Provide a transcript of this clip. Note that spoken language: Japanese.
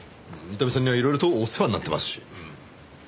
伊丹さんには色々とお世話になってますし。